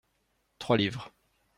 Trois livres.